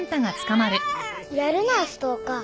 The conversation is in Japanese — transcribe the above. やるなストーカー。